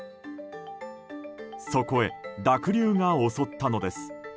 そこへ濁流が襲ったのです。